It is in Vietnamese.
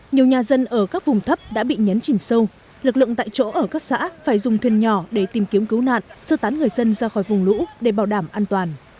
nhiều nhà dân ở các vùng thấp đã bị nhấn chìm sâu lực lượng tại chỗ ở các xã phải dùng thuyền nhỏ để tìm kiếm cứu nạn sơ tán người dân ra khỏi vùng lũ để bảo đảm an toàn